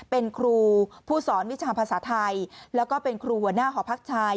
เป็นครูผู้สอนวิชาภาษาไทยแล้วก็เป็นครูหัวหน้าหอพักชาย